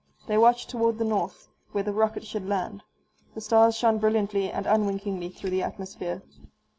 They watched toward the north, where the rocket should land. The stars shone brilliantly and unwinkingly through the atmosphere.